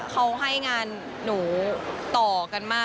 เขาให้งานหนูต่อกันมาก